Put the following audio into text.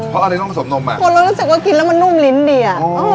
เพราะอะไรต้องผสมนมอ่ะคนเรารู้สึกว่ากินแล้วมันนุ่มลิ้นดีอ่ะ